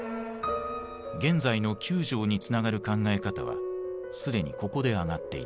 現在の９条につながる考え方は既にここで挙がっていた。